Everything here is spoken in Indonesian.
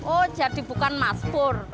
oh jadi bukan mas pur